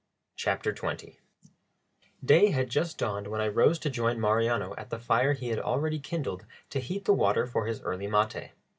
CHAPTER XX Day had just dawned when I rose to join Mariano at the fire he had already kindled to heat the water for his early maté.